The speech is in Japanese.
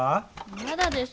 まだです！